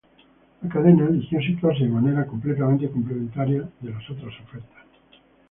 La cadena eligió situarse de manera completamente complementaria de las otras ofertas.